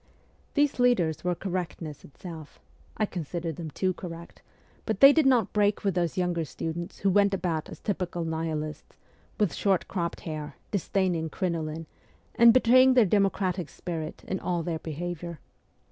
These leaders were correctness itself I considered them too correct but they did not ST. PETERSBURG 46 break with those younger students who went about as typical Nihilists, with short cropped hair, disdaining crinoline, and betraying their democratic spirit in all their behaviour.